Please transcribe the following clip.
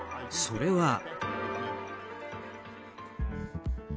それは。